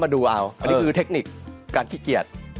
ดูเอาอันนี้คือเทคนิคการขี้เกียจ